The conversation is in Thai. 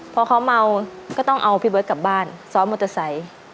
พอเขาเมาก็ต้องเอาพี่เบิร์ตกลับบ้านซ้อนมอเตอร์ไซค์